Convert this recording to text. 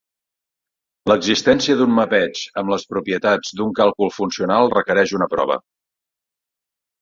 L'existència d'un mapeig amb les propietats d'un càlcul funcional requereix una prova.